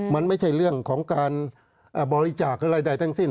มันไม่ใช่เรื่องของการบริจาคอะไรใดทั้งสิ้น